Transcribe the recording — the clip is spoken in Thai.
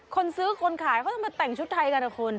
คนซื้อคนขายเขาจะมาแต่งชุดไทยกันนะคุณ